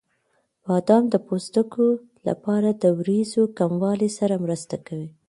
بادام د پوستکي لپاره د وریځو کموالي سره مرسته کوي.